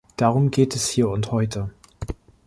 Darum geht es hier und heute.